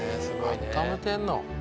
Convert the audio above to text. あっためてんの。